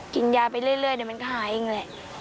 กินยาไปเรื่อยเดี๋ยวมันก็หายเองแหละ